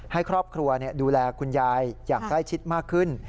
ให้ครอบครัวดูแลคุณยายอย่างใกล้ชิดมากขึ้น